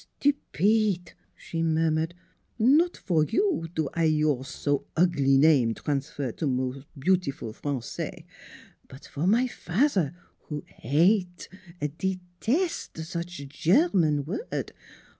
" Stupidef" she murmured. " Not for you do I your so ogly name transfer to more beautiful Francais. But for my fat'er, who ha ate de tes' such German word.